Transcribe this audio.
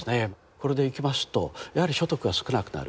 これでいきますとやはり所得が少なくなる。